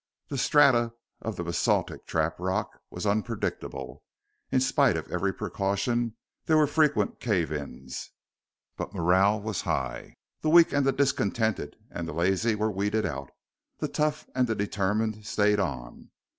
The strata of the basaltic trap rock was unpredictable; in spite of every precaution, there were frequent cave ins. But morale was high. The weak and the discontented and the lazy were weeded out; the tough and the determined stayed on.